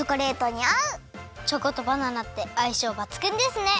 チョコとバナナってあいしょうばつぐんですね！